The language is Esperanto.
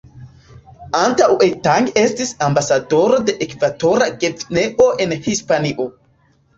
Antaŭe Tang estis ambasadoro de Ekvatora Gvineo en Hispanio.